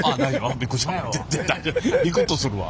ビクっとするわ。